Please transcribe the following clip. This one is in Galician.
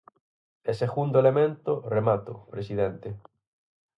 E segundo elemento –remato, presidente–.